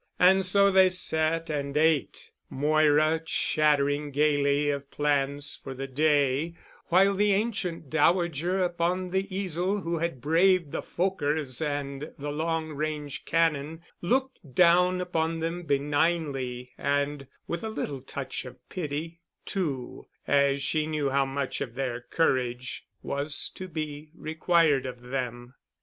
And so they sat and ate, Moira chattering gayly of plans for the day, while the ancient dowager upon the easel who had braved the Fokkers and the long range cannon looked down upon them benignly and with a little touch of pity, too, as though she knew how much of their courage was to be required of them.